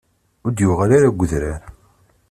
Ur d-yuɣal ara seg udrar.